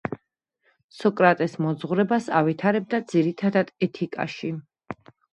სოკრატეს მოძღვრებას ავითარებდა ძირითადად ეთიკაში.